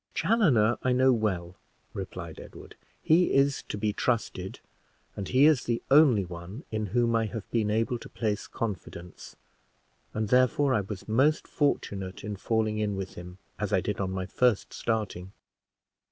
"Chaloner I know well," replied Edward; "he is to be trusted, and he is the only one in whom I have been able to place confidence, and therefore I was most fortunate in falling in with him as I did on my first starting.